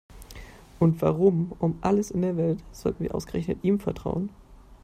Und warum um alles in der Welt sollten wir ausgerechnet ihm vertrauen?